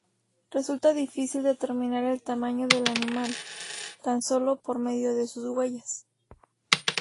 Resulta difícil determinar el tamaño del animal, tan sólo por medio de sus huellas.